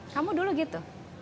kamu dulu gitu